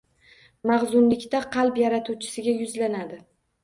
Mahzunlikda qalb Yaratuvchisiga yuzlanadi.